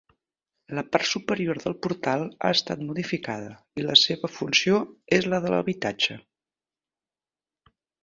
La part superior del portal ha estat modificada i la seva funció és la d'habitatge.